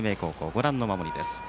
ご覧の守りです。